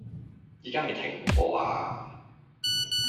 而家係停課呀